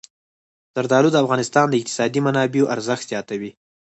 زردالو د افغانستان د اقتصادي منابعو ارزښت زیاتوي.